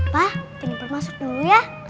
pak jeniper masuk dulu ya